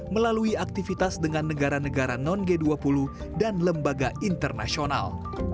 melalui aktivitas dengan negara negara non g dua puluh dan lembaga internasional